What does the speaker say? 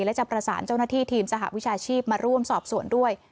และจะประสานเจ้าหน้าที่ทีมสหวิชาชีพมาร่วมสอบสวนด้วย